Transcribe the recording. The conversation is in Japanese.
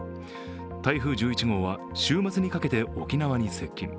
台風１１号は週末にかけて沖縄に接近。